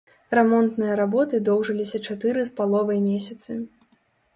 Рамонтныя работы доўжыліся чатыры з паловай месяцы.